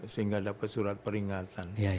sehingga dapat surat peringatan